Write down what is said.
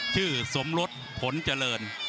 ชื่อสมรสผลเจริญ